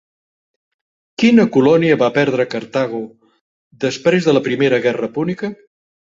Quina colònia va perdre Cartago després de la Primera Guerra Púnica?